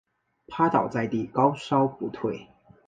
趴倒在地高烧不退